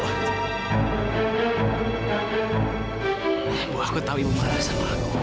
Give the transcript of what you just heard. ibu aku tau ibu marah sama aku